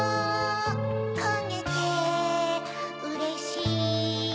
こげてうれしい